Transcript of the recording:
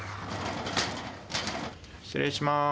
失礼します。